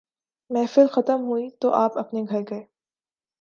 محفل ختم ہوئی تو آپ اپنے گھر گئے۔